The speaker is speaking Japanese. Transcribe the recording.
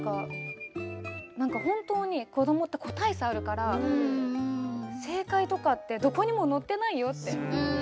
本当に子どもって個体差があるから正解とかどこにも載ってないよって。